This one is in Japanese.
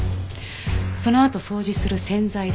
そのあと掃除する洗剤代